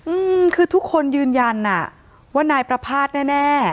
อืมคือทุกคนยืนยันอ่ะว่านายประภาษณ์แน่แน่